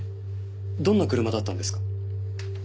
どんな車だったんですか？